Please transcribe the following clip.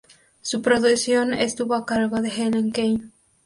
Su producción estuvo a cargo de Helen Keane.